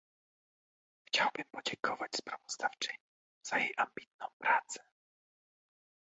Chciałabym podziękować sprawozdawczyni za jej ambitną pracę